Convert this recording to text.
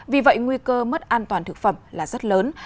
vì vậy nguy cơ mất an toàn thực phẩm là rất lớn